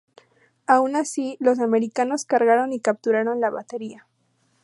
Aun así, los americanos cargaron y capturaron la batería.